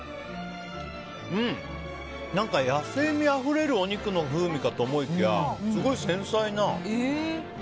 何か、野性味あふれるお肉の風味かと思いきやすごい繊細な。